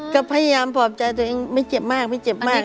ก็พยายามปลอบใจตัวเองไม่เจ็บมากไม่เจ็บมาก